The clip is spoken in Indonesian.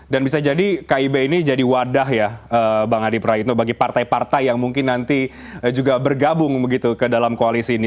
dan bisa jadi kib ini jadi wadah ya bang adi prayutno bagi partai partai yang mungkin nanti juga bergabung begitu ke dalam koalisi ini